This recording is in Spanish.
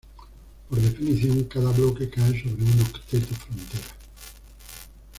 Por definición, cada bloque cae sobre un octeto frontera.